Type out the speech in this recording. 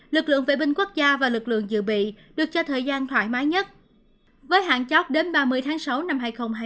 lực lượng vệ binh quốc gia và lực lượng dự bị được cho thời gian thoải mái nhất với hạn chót đến ba mươi tháng sáu năm hai nghìn hai mươi